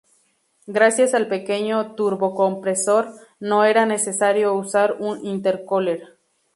Gracias al pequeño turbocompresor no era necesario usar un intercooler.